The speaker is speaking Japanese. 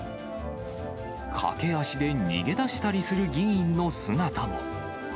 駆け足で逃げだしたりする議員の姿も。